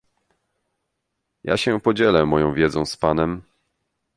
"Ja się podzielę moją wiedzą z panem."